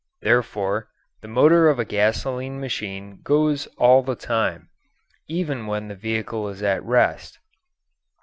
Therefore, the motor of a gasoline machine goes all the time, even when the vehicle is at rest.